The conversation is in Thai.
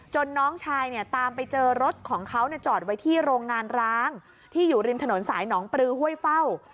น้องชายเนี่ยตามไปเจอรถของเขาจอดไว้ที่โรงงานร้างที่อยู่ริมถนนสายหนองปลือห้วยเฝ้า